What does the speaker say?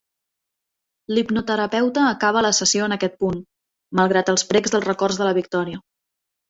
L'hipnoterapeuta acaba la sessió en aquest punt, malgrat els precs dels records de la Victoria.